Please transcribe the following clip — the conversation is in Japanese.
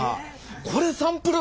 これサンプル？